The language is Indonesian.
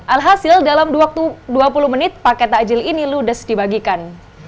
alhasil dalam waktu dua puluh menit paket takjil ini ludes dibagikan